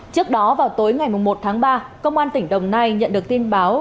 trước đó vào tối ngày một tháng ba công an tỉnh đồng nai nhận được tin báo